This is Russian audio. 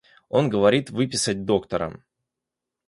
Он говорит выписать доктора...